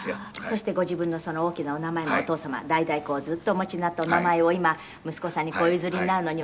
「そしてご自分のその大きなお名前もお父様が代々ずっとお持ちになったお名前を今息子さんにお譲りになるのには」